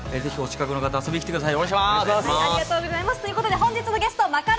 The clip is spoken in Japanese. ぜひお近くの方は遊びに来てください。